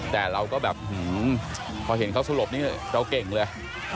แต่เราก็แบบพอเห็นเขาสลบนี้เราเก่งเลย